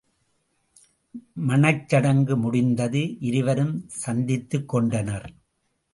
மணச்சடங்கு முடிந்தது இருவரும் சந்தித்துக் கொண்டனர்.